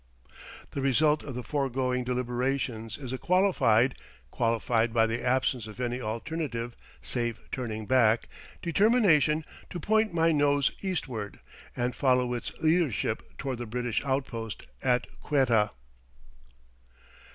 The result of the foregoing deliberations is a qualified (qualified by the absence of any alternative save turning back) determination to point my nose eastward, and follow its leadership toward the British outpost at Quetta.